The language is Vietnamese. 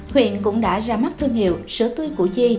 huyện cũng đã ra mắt thương hiệu sữa tươi củ chi